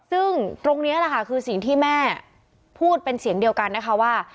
ซึ่งตรงนี้แหละค่ะคือสิ่งที่แม่พูดเป็นเสียงเดียวกันนะคะว่า